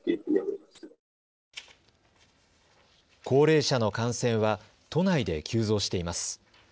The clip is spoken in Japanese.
高齢者の感染は都内で急増しています。